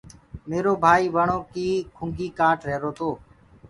ميرو ڀآئيٚ وڻو ڪي ڪُنگي ڪآٽ رهيرو تو۔